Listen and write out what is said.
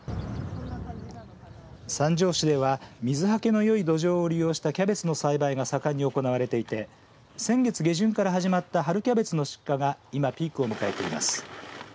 三条市では水はけのよい土壌を利用したキャベツの栽培が盛んに行われていて先月下旬から始まった春キャベツの出荷が今ピークを迎えています。